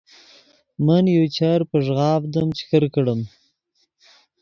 من یو چر پݱغاڤدیم چے کرکڑیم